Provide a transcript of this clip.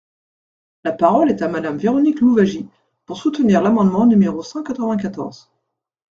La parole est à Madame Véronique Louwagie, pour soutenir l’amendement numéro cent quatre-vingt-quatorze.